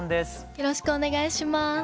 よろしくお願いします。